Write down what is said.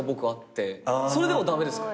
それでも駄目ですか？